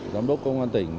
giám đốc công an tỉnh